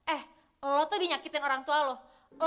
eh lo tuh dinyakitin orang tua loh